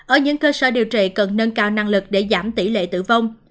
ở những cơ sở điều trị cần nâng cao năng lực để giảm tỷ lệ tử vong